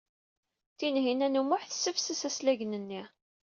Tinhinan u Muḥ tessafses aslagen-nni.